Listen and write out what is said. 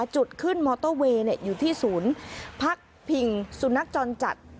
จุดขึ้นมอเตอร์เวย์อยู่ที่ศูนย์พักพิงสุนัขจรจัด